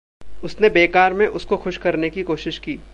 उसने बेकार में उसको खुश करने की कोशिश की।